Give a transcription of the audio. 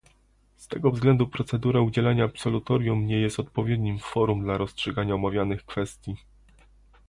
Z tego względu procedura udzielania absolutorium nie jest odpowiednim forum do rozstrzygania omawianych kwestii